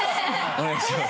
お願いします。